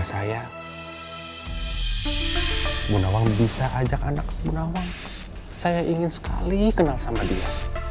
saya ingin sekali kenal sama dia